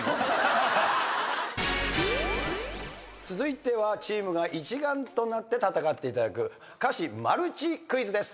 続いてはチームが一丸となって戦っていただく歌詞マルチクイズです。